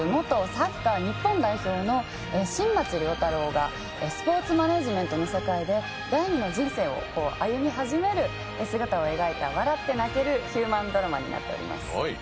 サッカー元日本代表の新町亮太郎がスポーツマネジメントの世界で第２の人生を歩み始める姿を描いた笑って泣けるヒューマンドラマになっております。